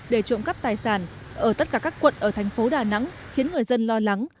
để trộm cắp tài sản ở tất cả các quận ở thành phố đà nẵng khiến người dân lo lắng